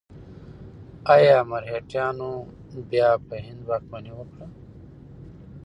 ایا مرهټیانو بیا په هند واکمني وکړه؟